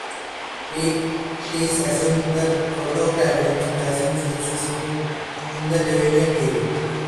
It is assumed the proto-caribbean basin existed in the Devonian period.